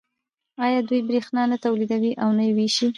آیا دوی بریښنا نه تولیدوي او نه یې ویشي؟